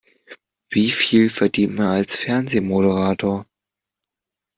Wie viel verdient man als Fernsehmoderator?